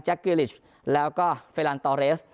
แจ็คกิลลิชแล้วก็เฟรานตอเรส